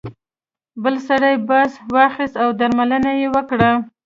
بل سړي باز واخیست او درملنه یې وکړه.